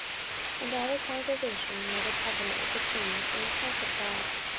14:023:003 And all the congregation made a covenant with the king in the house of God.